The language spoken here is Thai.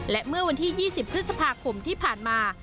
และเมื่อวันที่๒๐พฤษภาคมที่ผ่านมา